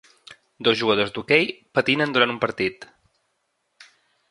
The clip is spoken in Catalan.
Dos jugadors d'hoquei patinen durant un partit